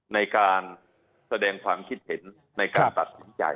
ในการแสดงความคิดเห็นในการตัดสินใจ